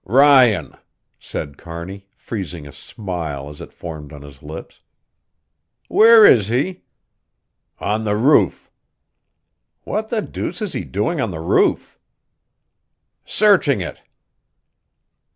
"Ryan!" said Kearney, freezing a smile as it formed on his lips. "Where is he?" "On the roof." "What the deuce is he doing on the roof?" "Searching it."